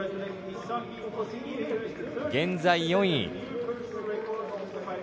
現在４位。